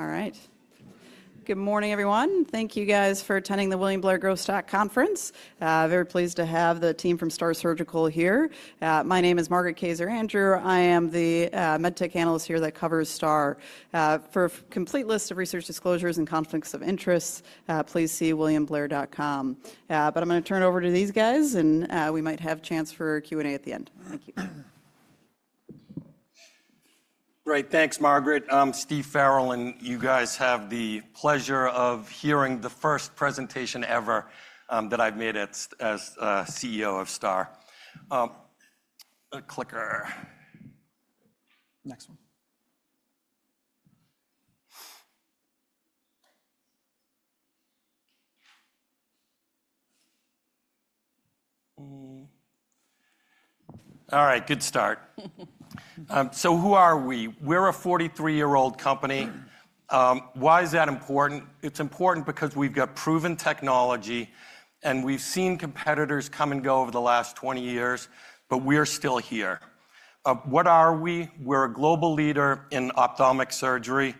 All right. Good morning, everyone. Thank you, guys, for attending the William Blair Growth Start Conference. Very pleased to have the team from STAAR Surgical here. My name is Margaret Kaiser. I am the medtech analyst here that covers STAAR. For a complete list of research disclosures and conflicts of interest, please see williamblair.com. I am going to turn it over to these guys, and we might have a chance for Q&A at the end. Thank you. Great. Thanks, Margaret. I'm Steve Farrell, and you guys have the pleasure of hearing the first presentation ever that I've made as CEO of STAAR. Clicker. Next one. All right. Good start. Who are we? We are a 43-year-old company. Why is that important? It is important because we have got proven technology, and we have seen competitors come and go over the last 20 years, but we are still here. What are we? We are a global leader in ophthalmic surgery.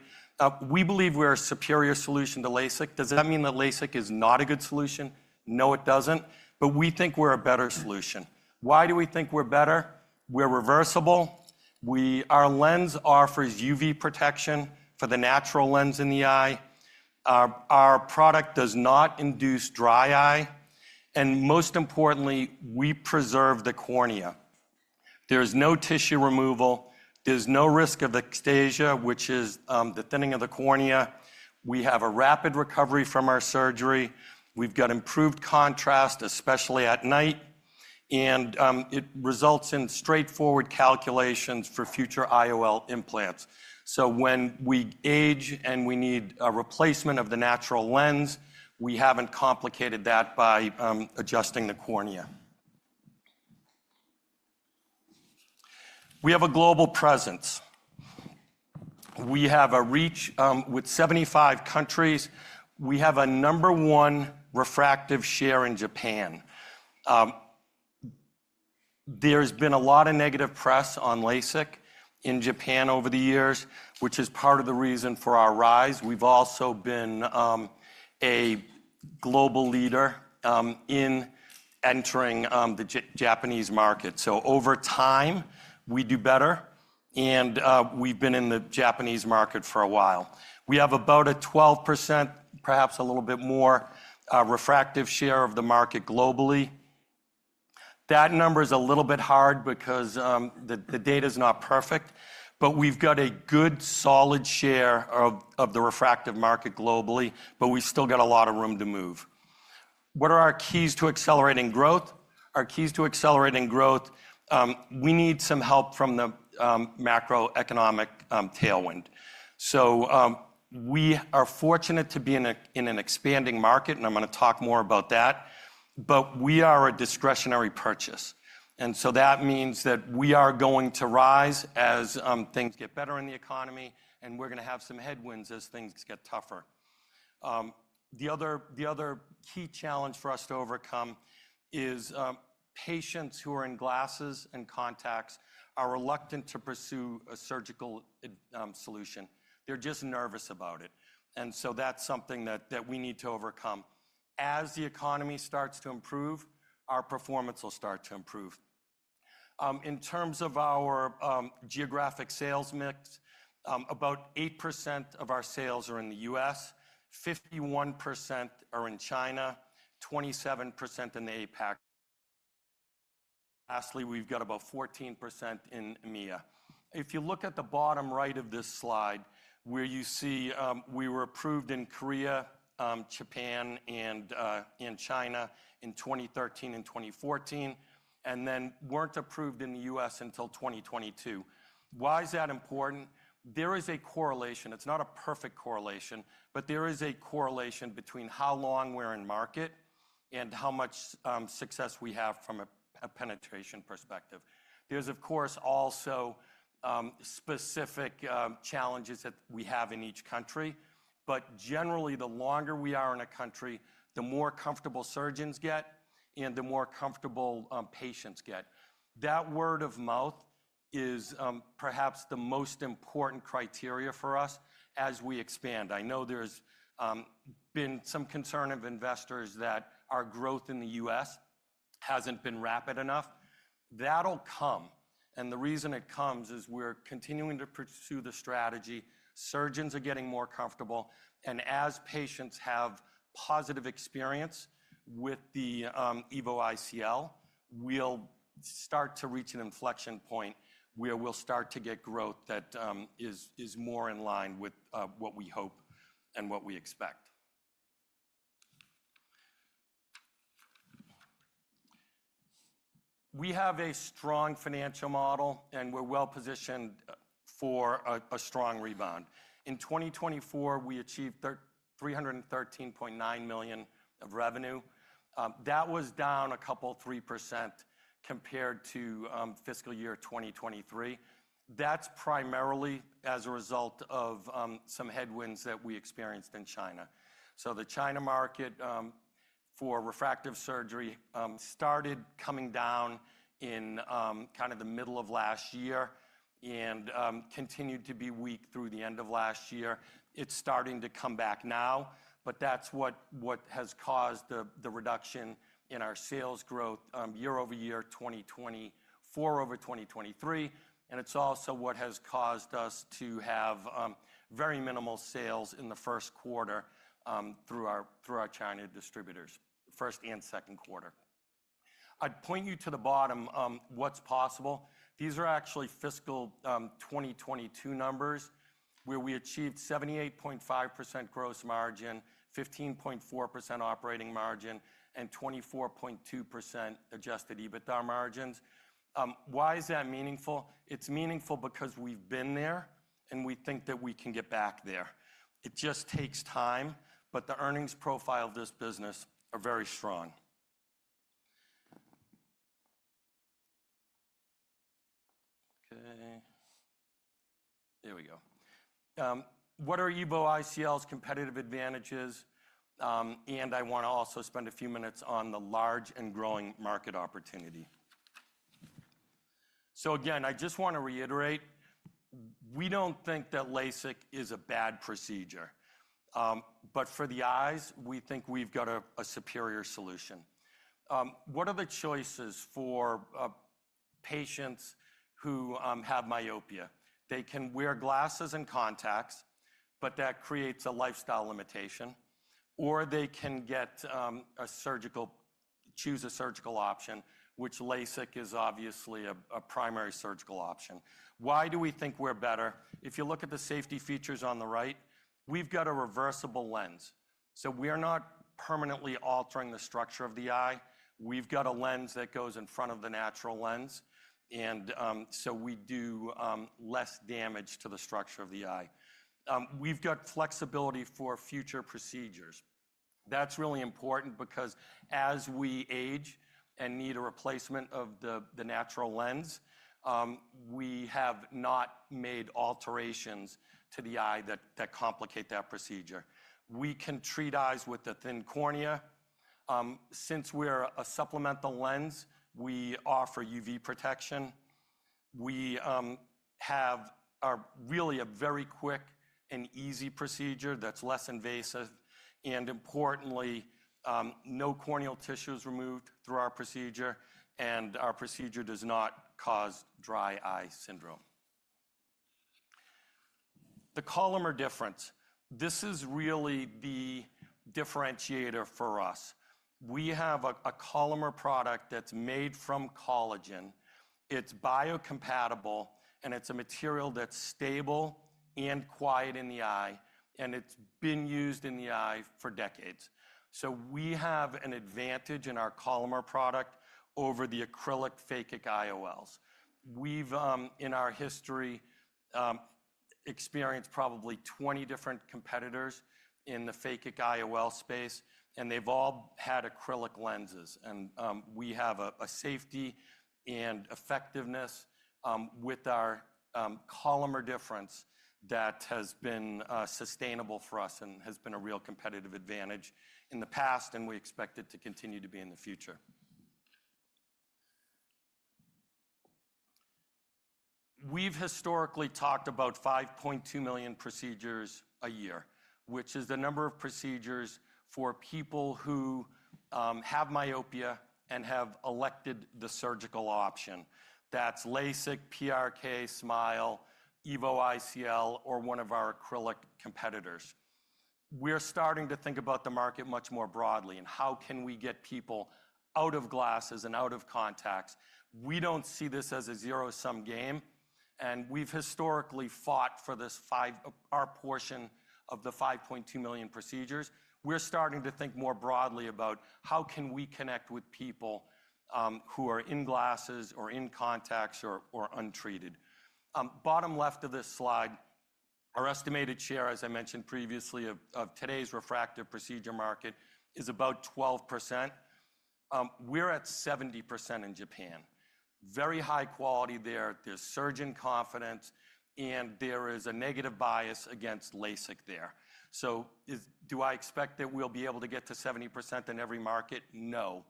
We believe we are a superior solution to LASIK. Does that mean that LASIK is not a good solution? No, it does not. We think we are a better solution. Why do we think we are better? We are reversible. Our lens offers UV protection for the natural lens in the eye. Our product does not induce dry eye. Most importantly, we preserve the cornea. There is no tissue removal. There is no risk of ectasia, which is the thinning of the cornea. We have a rapid recovery from our surgery. We have got improved contrast, especially at night. It results in straightforward calculations for future IOL implants. When we age and we need a replacement of the natural lens, we have not complicated that by adjusting the cornea. We have a global presence. We have a reach with 75 countries. We have a number one refractive share in Japan. There has been a lot of negative press on LASIK in Japan over the years, which is part of the reason for our rise. We have also been a global leader in entering the Japanese market. Over time, we do better. We have been in the Japanese market for a while. We have about a 12%, perhaps a little bit more, refractive share of the market globally. That number is a little bit hard because the data is not perfect. We have got a good solid share of the refractive market globally. We have still got a lot of room to move. What are our keys to accelerating growth? Our keys to accelerating growth, we need some help from the macroeconomic tailwind. We are fortunate to be in an expanding market, and I am going to talk more about that. We are a discretionary purchase. That means that we are going to rise as things get better in the economy, and we are going to have some headwinds as things get tougher. The other key challenge for us to overcome is patients who are in glasses and contacts are reluctant to pursue a surgical solution. They are just nervous about it. That is something that we need to overcome. As the economy starts to improve, our performance will start to improve. In terms of our geographic sales mix, about 8% of our sales are in the U.S., 51% are in China, 27% in the APAC. Lastly, we've got about 14% in EMEA. If you look at the bottom right of this slide, where you see we were approved in Korea, Japan, and China in 2013 and 2014, and then were not approved in the U.S. until 2022. Why is that important? There is a correlation. It is not a perfect correlation, but there is a correlation between how long we are in market and how much success we have from a penetration perspective. There are, of course, also specific challenges that we have in each country. Generally, the longer we are in a country, the more comfortable surgeons get and the more comfortable patients get. That word of mouth is perhaps the most important criteria for us as we expand. I know there's been some concern of investors that our growth in the U.S. hasn't been rapid enough. That'll come. The reason it comes is we're continuing to pursue the strategy. Surgeons are getting more comfortable. As patients have positive experience with the EVO ICL, we'll start to reach an inflection point where we'll start to get growth that is more in line with what we hope and what we expect. We have a strong financial model, and we're well-positioned for a strong rebound. In 2024, we achieved $313.9 million of revenue. That was down a couple of 3% compared to fiscal year 2023. That's primarily as a result of some headwinds that we experienced in China. The China market for refractive surgery started coming down in kind of the middle of last year and continued to be weak through the end of last year. It's starting to come back now. That is what has caused the reduction in our sales growth year-over-year 2024 over 2023. It is also what has caused us to have very minimal sales in the first quarter through our China distributors, first and second quarter. I would point you to the bottom what is possible. These are actually fiscal 2022 numbers where we achieved 78.5% gross margin, 15.4% operating margin, and 24.2% adjusted EBITDA margins. Why is that meaningful? It is meaningful because we have been there, and we think that we can get back there. It just takes time. The earnings profile of this business is very strong. Okay. There we go. What are EVO ICL's competitive advantages? I want to also spend a few minutes on the large and growing market opportunity. Again, I just want to reiterate, we do not think that LASIK is a bad procedure. For the eyes, we think we've got a superior solution. What are the choices for patients who have myopia? They can wear glasses and contacts, but that creates a lifestyle limitation. They can choose a surgical option, which LASIK is obviously a primary surgical option. Why do we think we're better? If you look at the safety features on the right, we've got a reversible lens. We are not permanently altering the structure of the eye. We've got a lens that goes in front of the natural lens. We do less damage to the structure of the eye. We've got flexibility for future procedures. That's really important because as we age and need a replacement of the natural lens, we have not made alterations to the eye that complicate that procedure. We can treat eyes with a thin cornea. Since we're a supplemental lens, we offer UV protection. We have really a very quick and easy procedure that's less invasive. Importantly, no corneal tissue is removed through our procedure, and our procedure does not cause dry eye syndrome. The Collamer difference, this is really the differentiator for us. We have a Collamer product that's made from collagen. It's biocompatible, and it's a material that's stable and quiet in the eye. It's been used in the eye for decades. We have an advantage in our Collamer product over the acrylic phakic IOLs. We've, in our history, experienced probably 20 different competitors in the phakic IOL space, and they've all had acrylic lenses. We have a safety and effectiveness with our Collamer difference that has been sustainable for us and has been a real competitive advantage in the past, and we expect it to continue to be in the future. We've historically talked about 5.2 million procedures a year, which is the number of procedures for people who have myopia and have elected the surgical option. That's LASIK, PRK, SMILE, EVO ICL, or one of our acrylic competitors. We're starting to think about the market much more broadly and how can we get people out of glasses and out of contacts. We don't see this as a zero-sum game. We've historically fought for our portion of the 5.2 million procedures. We're starting to think more broadly about how can we connect with people who are in glasses or in contacts or untreated. Bottom left of this slide, our estimated share, as I mentioned previously, of today's refractive procedure market is about 12%. We're at 70% in Japan. Very high quality there. There's surgeon confidence, and there is a negative bias against LASIK there. Do I expect that we'll be able to get to 70% in every market? No.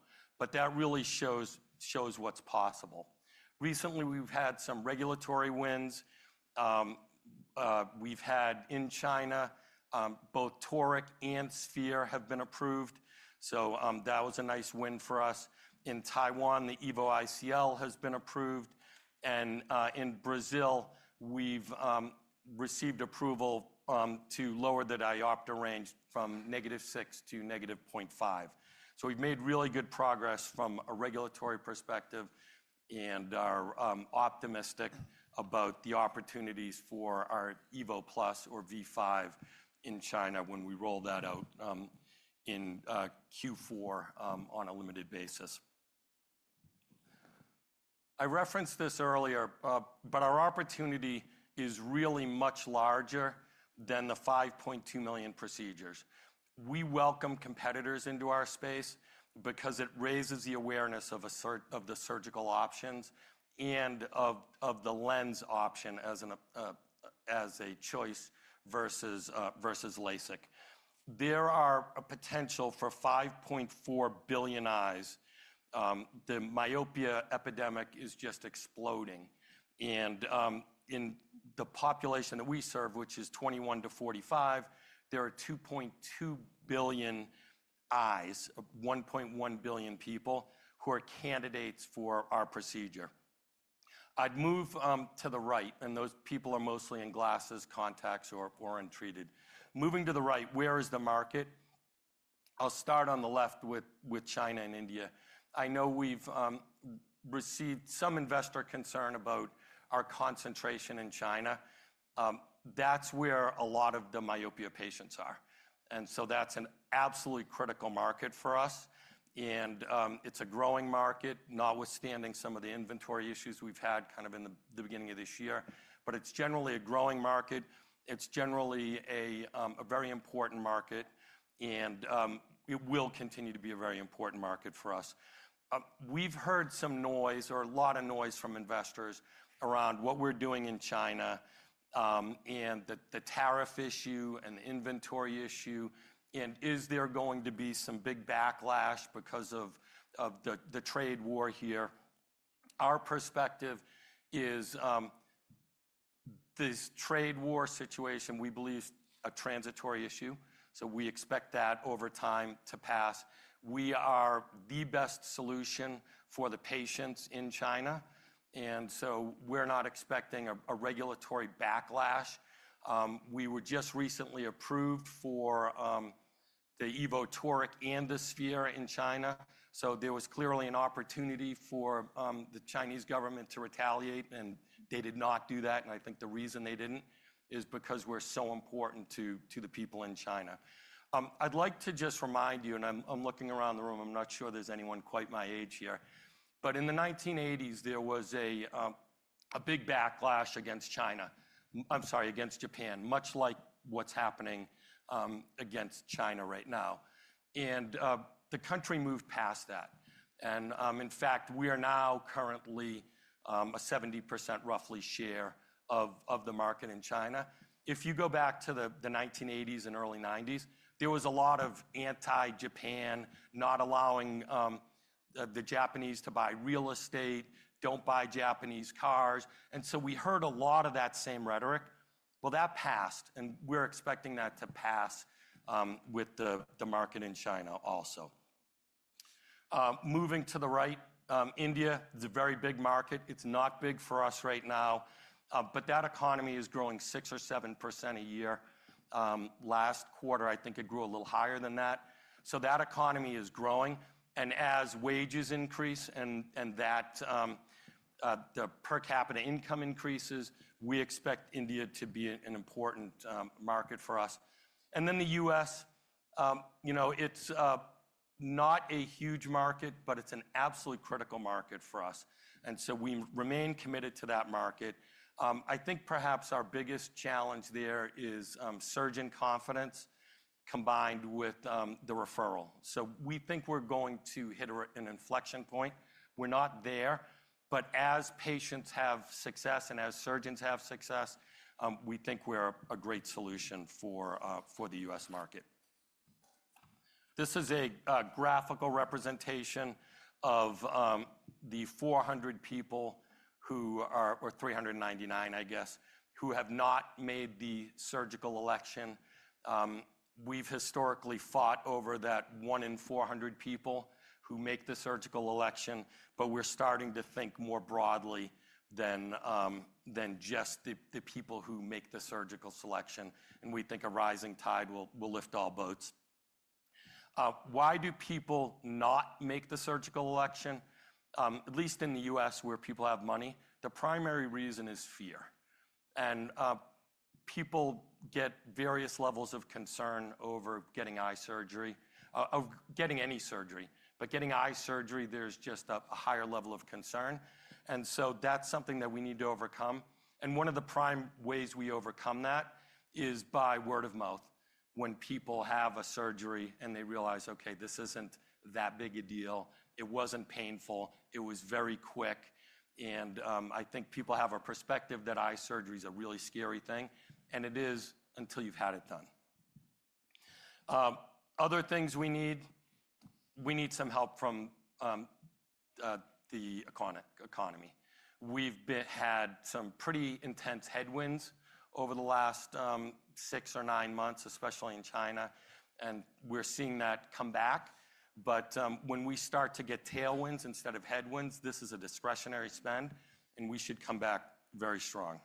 That really shows what's possible. Recently, we've had some regulatory wins. We've had in China, both Toric and Sphere have been approved. That was a nice win for us. In Taiwan, the EVO ICL has been approved. In Brazil, we've received approval to lower the diopter range from -6 to -0.5. We've made really good progress from a regulatory perspective and are optimistic about the opportunities for our EVO+ or V5 in China when we roll that out in Q4 on a limited basis. I referenced this earlier, but our opportunity is really much larger than the 5.2 million procedures. We welcome competitors into our space because it raises the awareness of the surgical options and of the lens option as a choice versus LASIK. There is a potential for 5.4 billion eyes. The myopia epidemic is just exploding. In the population that we serve, which is 21 to 45, there are 2.2 billion eyes, 1.1 billion people who are candidates for our procedure. I'd move to the right. Those people are mostly in glasses, contacts, or untreated. Moving to the right, where is the market? I'll start on the left with China and India. I know we've received some investor concern about our concentration in China. That's where a lot of the myopia patients are. That is an absolutely critical market for us. It is a growing market, notwithstanding some of the inventory issues we've had kind of in the beginning of this year. It is generally a growing market. It is generally a very important market. It will continue to be a very important market for us. We've heard some noise or a lot of noise from investors around what we're doing in China and the tariff issue and the inventory issue. Is there going to be some big backlash because of the trade war here? Our perspective is this trade war situation, we believe, is a transitory issue. We expect that over time to pass. We are the best solution for the patients in China. We are not expecting a regulatory backlash. We were just recently approved for the EVO Toric and the Sphere in China. There was clearly an opportunity for the Chinese government to retaliate. They did not do that. I think the reason they did not is because we are so important to the people in China. I would like to just remind you, and I am looking around the room. I am not sure there is anyone quite my age here. In the 1980s, there was a big backlash against China. I am sorry, against Japan, much like what is happening against China right now. The country moved past that. In fact, we are now currently at roughly 70% share of the market in China. If you go back to the 1980s and early 1990s, there was a lot of anti-Japan, not allowing the Japanese to buy real estate, do not buy Japanese cars. We heard a lot of that same rhetoric. That passed. We are expecting that to pass with the market in China also. Moving to the right, India, the very big market. It's not big for us right now. That economy is growing 6% or 7% a year. Last quarter, I think it grew a little higher than that. That economy is growing. As wages increase and the per capita income increases, we expect India to be an important market for us. The U.S., it's not a huge market, but it's an absolutely critical market for us. We remain committed to that market. I think perhaps our biggest challenge there is surgeon confidence combined with the referral. We think we're going to hit an inflection point. We're not there. As patients have success and as surgeons have success, we think we're a great solution for the U.S. market. This is a graphical representation of the 400 people who are, or 399, I guess, who have not made the surgical election. We've historically fought over that one in 400 people who make the surgical election. We're starting to think more broadly than just the people who make the surgical selection. We think a rising tide will lift all boats. Why do people not make the surgical election, at least in the U.S. where people have money? The primary reason is fear. People get various levels of concern over getting eye surgery, of getting any surgery. Getting eye surgery, there's just a higher level of concern. That is something that we need to overcome. One of the prime ways we overcome that is by word of mouth when people have a surgery and they realize, okay, this isn't that big a deal. It wasn't painful. It was very quick. I think people have a perspective that eye surgery is a really scary thing. It is until you've had it done. Other things we need, we need some help from the economy. We've had some pretty intense headwinds over the last six or nine months, especially in China. We're seeing that come back. When we start to get tailwinds instead of headwinds, this is a discretionary spend. We should come back very strong.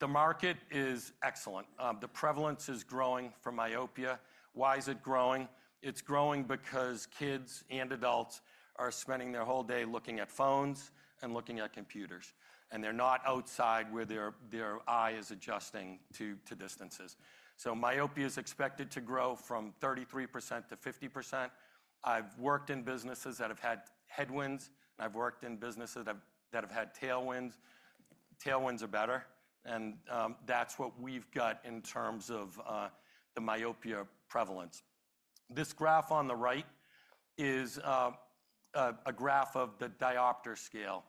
The market is excellent. The prevalence is growing for myopia. Why is it growing? It's growing because kids and adults are spending their whole day looking at phones and looking at computers. They're not outside where their eye is adjusting to distances. Myopia is expected to grow from 33% to 50%. I've worked in businesses that have had headwinds. I've worked in businesses that have had tailwinds. Tailwinds are better. That's what we've got in terms of the myopia prevalence. This graph on the right is a graph of the diopter scale.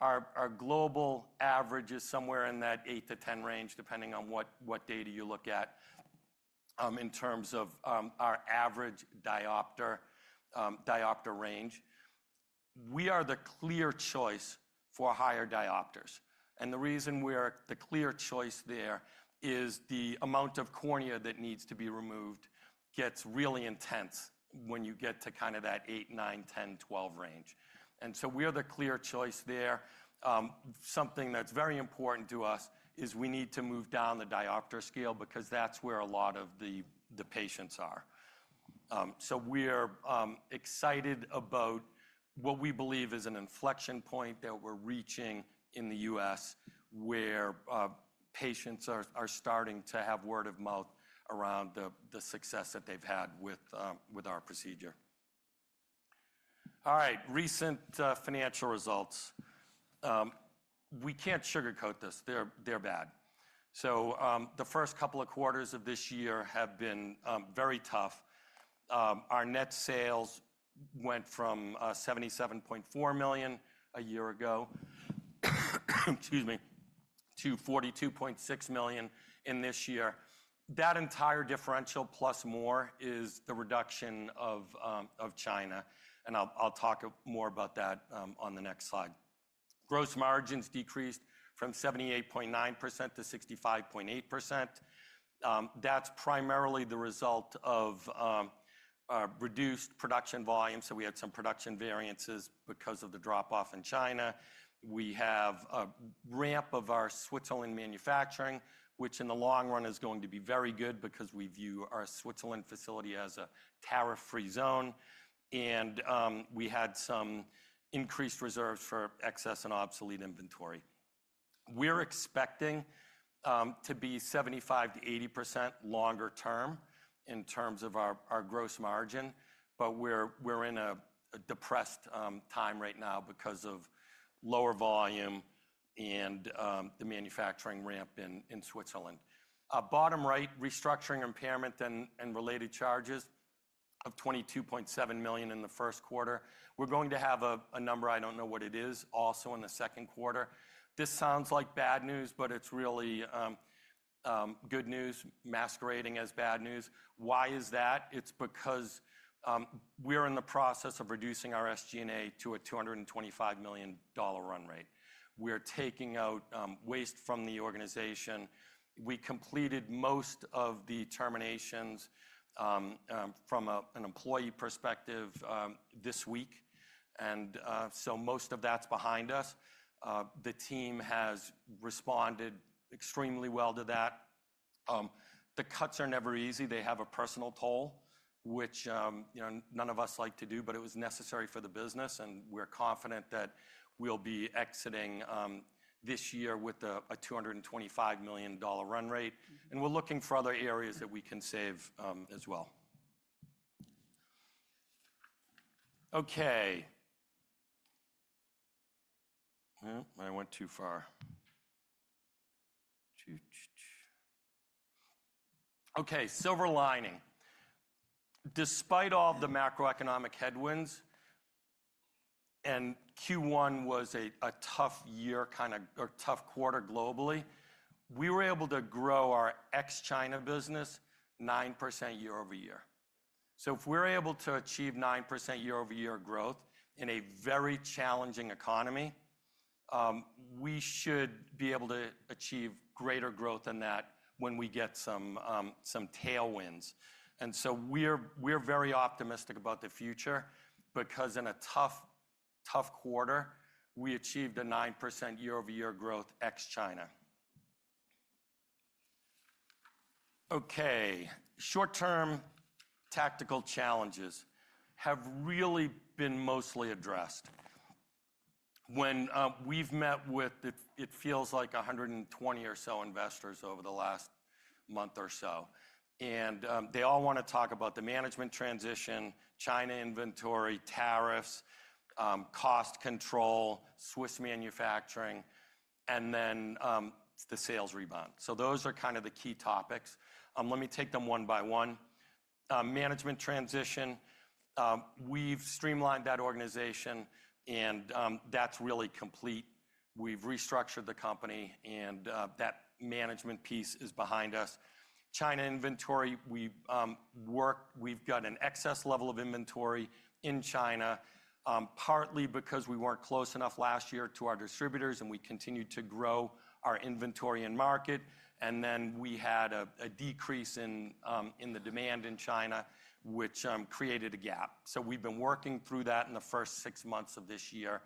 Our global average is somewhere in that 8-10 range, depending on what data you look at in terms of our average diopter range. We are the clear choice for higher diopters. The reason we're the clear choice there is the amount of cornea that needs to be removed gets really intense when you get to kind of that 8, 9, 10, 12 range. We're the clear choice there. Something that's very important to us is we need to move down the diopter scale because that's where a lot of the patients are. We're excited about what we believe is an inflection point that we're reaching in the U.S. where patients are starting to have word of mouth around the success that they've had with our procedure. All right, recent financial results. We can't sugarcoat this. They're bad. The first couple of quarters of this year have been very tough. Our net sales went from $77.4 million a year ago, excuse me, to $42.6 million in this year. That entire differential plus more is the reduction of China. I'll talk more about that on the next slide. Gross margins decreased from 78.9% to 65.8%. That's primarily the result of reduced production volume. We had some production variances because of the drop-off in China. We have a ramp of our Switzerland manufacturing, which in the long run is going to be very good because we view our Switzerland facility as a tariff-free zone. We had some increased reserves for excess and obsolete inventory. We're expecting to be 75%-80% longer term in terms of our gross margin. We're in a depressed time right now because of lower volume and the manufacturing ramp in Switzerland. Bottom right, restructuring impairment and related charges of $22.7 million in the first quarter. We're going to have a number, I don't know what it is, also in the second quarter. This sounds like bad news, but it's really good news masquerading as bad news. Why is that? It's because we're in the process of reducing our SG&A to a $225 million run rate. We're taking out waste from the organization. We completed most of the terminations from an employee perspective this week. Most of that's behind us. The team has responded extremely well to that. The cuts are never easy. They have a personal toll, which none of us like to do. It was necessary for the business. We're confident that we'll be exiting this year with a $225 million run rate. We're looking for other areas that we can save as well. Okay. I went too far. Okay, silver lining. Despite all the macroeconomic headwinds and Q1 was a tough year kind of or tough quarter globally, we were able to grow our ex-China business 9% year over year. If we're able to achieve 9% year over year growth in a very challenging economy, we should be able to achieve greater growth than that when we get some tailwinds. We are very optimistic about the future because in a tough quarter, we achieved 9% year-over-year growth ex-China. Short-term tactical challenges have really been mostly addressed. When we have met with, it feels like 120 or so investors over the last month or so, they all want to talk about the management transition, China inventory, tariffs, cost control, Swiss manufacturing, and then the sales rebound. Those are kind of the key topics. Let me take them one by one. Management transition. We have streamlined that organization, and that is really complete. We have restructured the company, and that management piece is behind us. China inventory, we have got an excess level of inventory in China, partly because we were not close enough last year to our distributors, and we continued to grow our inventory and market. We had a decrease in the demand in China, which created a gap. We have been working through that in the first six months of this year.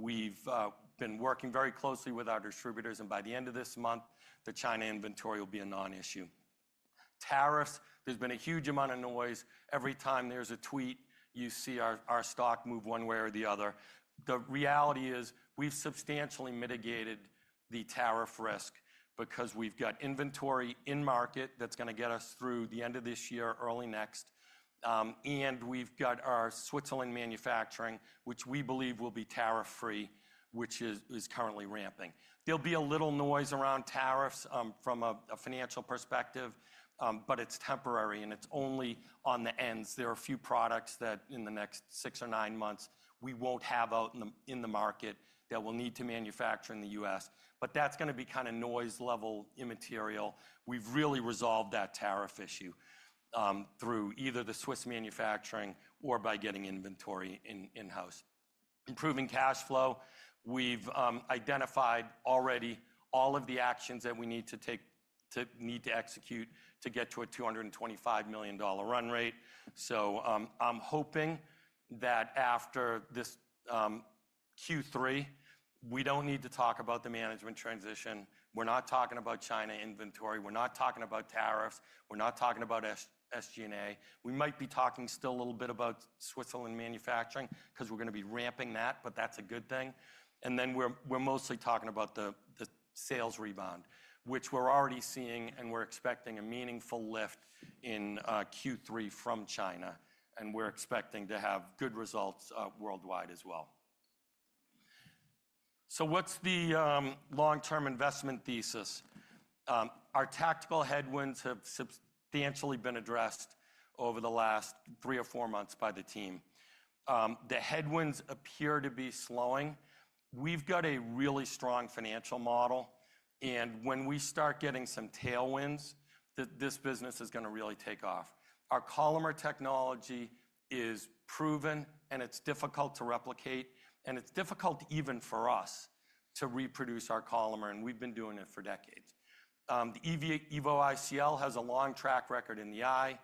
We have been working very closely with our distributors. By the end of this month, the China inventory will be a non-issue. Tariffs, there has been a huge amount of noise. Every time there is a tweet, you see our stock move one way or the other. The reality is we have substantially mitigated the tariff risk because we have inventory in market that is going to get us through the end of this year, early next. We have our Switzerland manufacturing, which we believe will be tariff-free, which is currently ramping. There will be a little noise around tariffs from a financial perspective, but it is temporary. It is only on the ends. There are a few products that in the next six or nine months, we won't have out in the market that we'll need to manufacture in the U.S. That is going to be kind of noise level immaterial. We've really resolved that tariff issue through, either the Swiss manufacturing or by getting inventory in-house. Improving cash flow. We've identified already all of the actions that we need to take to execute to get to a $225 million run rate. I am hoping that after this Q3, we do not need to talk about the management transition. We are not talking about China inventory. We are not talking about tariffs. We are not talking about SG&A. We might be talking still a little bit about Switzerland manufacturing because we are going to be ramping that. That is a good thing. Then we are mostly talking about the sales rebound, which we are already seeing. We are expecting a meaningful lift in Q3 from China. We are expecting to have good results worldwide as well. What is the long-term investment thesis? Our tactical headwinds have substantially been addressed over the last three or four months by the team. The headwinds appear to be slowing. We have a really strong financial model. When we start getting some tailwinds, this business is going to really take off. Our Collamer technology is proven. It is difficult to replicate. It is difficult even for us to reproduce our polymer. We have been doing it for decades. The EVO ICL has a long track record in the eye.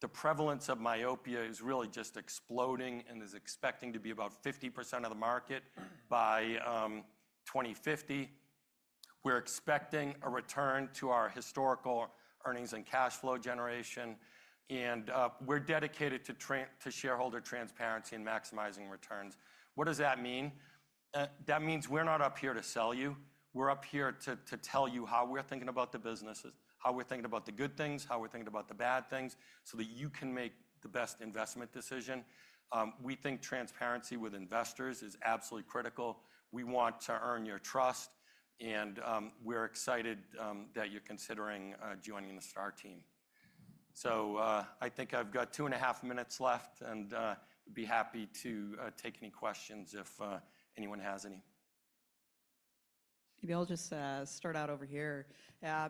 The prevalence of myopia is really just exploding and is expected to be about 50% of the market by 2050. We are expecting a return to our historical earnings and cash flow generation. We are dedicated to shareholder transparency and maximizing returns. What does that mean? That means we're not up here to sell you. We're up here to tell you how we're thinking about the businesses, how we're thinking about the good things, how we're thinking about the bad things so that you can make the best investment decision. We think transparency with investors is absolutely critical. We want to earn your trust. We're excited that you're considering joining the STAAR team. I think I've got two and a half minutes left. I'd be happy to take any questions if anyone has any. Maybe I'll just start out over here. I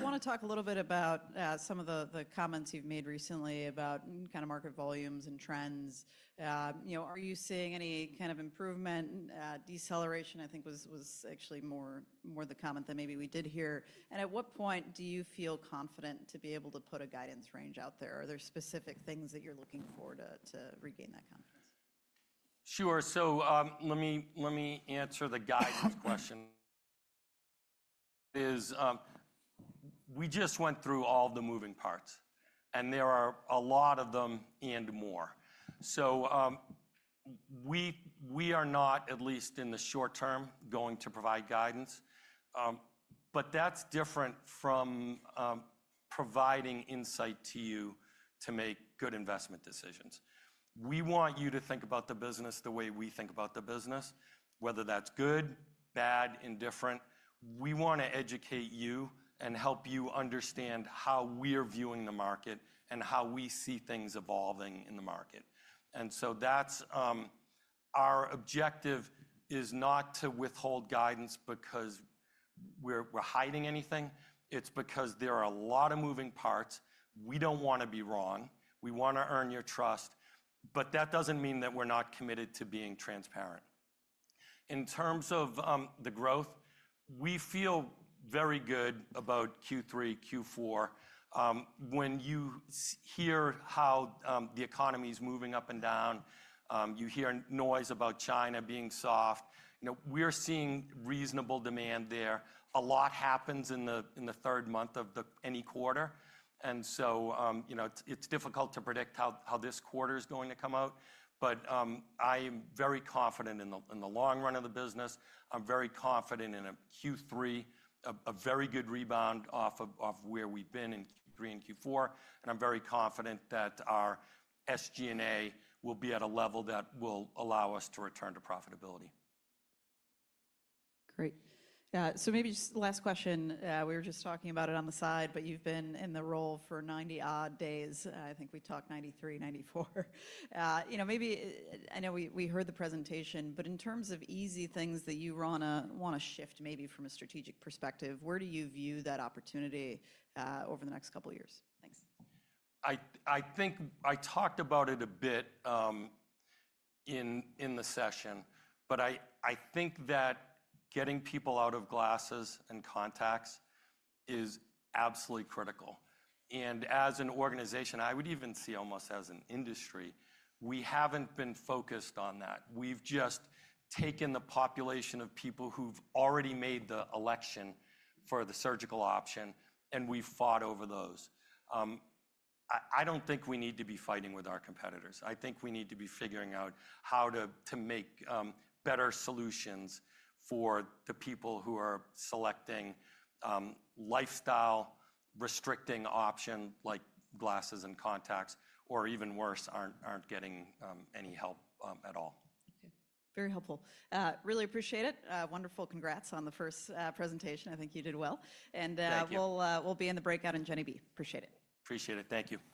want to talk a little bit about some of the comments you've made recently about kind of market volumes and trends. Are you seeing any kind of improvement? Deceleration, I think, was actually more the comment that maybe we did hear. At what point do you feel confident to be able to put a guidance range out there? Are there specific things that you're looking for to regain that confidence? Sure. Let me answer the guidance question. We just went through all the moving parts. There are a lot of them and more. We are not, at least in the short term, going to provide guidance. That is different from providing insight to you to make good investment decisions. We want you to think about the business the way we think about the business, whether that's good, bad, indifferent. We want to educate you and help you understand how we're viewing the market and how we see things evolving in the market. Our objective is not to withhold guidance because we're hiding anything. It's because there are a lot of moving parts. We do not want to be wrong. We want to earn your trust. That does not mean that we are not committed to being transparent. In terms of the growth, we feel very good about Q3, Q4. When you hear how the economy is moving up and down, you hear noise about China being soft, we are seeing reasonable demand there. A lot happens in the third month of any quarter. It is difficult to predict how this quarter is going to come out. I am very confident in the long run of the business. I am very confident in a Q3, a very good rebound off of where we have been in Q3 and Q4. I am very confident that our SG&A will be at a level that will allow us to return to profitability. Great. Maybe just last question. We were just talking about it on the side. You've been in the role for 90-odd days. I think we talked 93, 94. Maybe I know we heard the presentation. In terms of easy things that you want to shift maybe from a strategic perspective, where do you view that opportunity over the next couple of years? Thanks. I think I talked about it a bit in the session. I think that getting people out of glasses and contacts is absolutely critical. As an organization, I would even see almost as an industry, we haven't been focused on that. We've just taken the population of people who've already made the election for the surgical option, and we've fought over those. I don't think we need to be fighting with our competitors. I think we need to be figuring out how to make better solutions for the people who are selecting lifestyle-restricting options like glasses and contacts, or even worse, are not getting any help at all. Okay. Very helpful. Really appreciate it. Wonderful. Congrats on the first presentation. I think you did well. We will be in the breakout in Genevieve. Appreciate it. Appreciate it. Thank you.